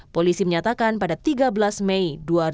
polisi menyatakan pada tiga belas mei dua ribu dua puluh